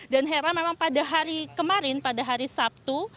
dan heran memang pada hari kemarin pada hari sabtu